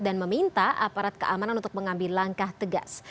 dan meminta aparat keamanan untuk mengambil langkah tegas